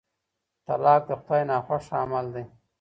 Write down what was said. طلاق د خدای ناخوښه عمل دی.